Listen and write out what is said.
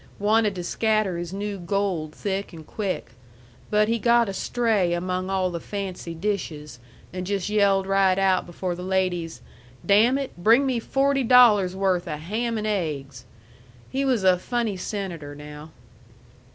Wanted to scatter his new gold thick an' quick. But he got astray among all the fancy dishes, an' just yelled right out before the ladies, 'Damn it! bring me forty dollars' worth of ham and aiggs.' He was a funny senator, now."